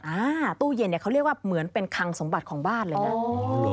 อ่าตู้เย็นเนี่ยเขาเรียกว่าเหมือนเป็นคังสมบัติของบ้านเลยนะ